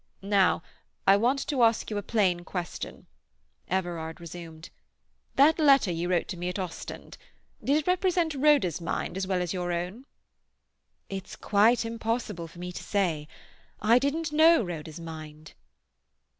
"Now I want to ask you a plain question," Everard resumed. "That letter you wrote to me at Ostend—did it represent Rhoda's mind as well as your own?" "It's quite impossible for me to say. I didn't know Rhoda's mind."